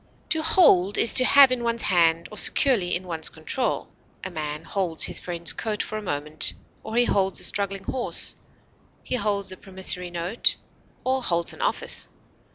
To hold is to have in one's hand, or securely in one's control; a man holds his friend's coat for a moment, or he holds a struggling horse; he holds a promissory note, or holds an office.